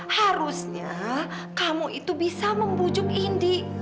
harusnya kamu itu bisa membujuk indi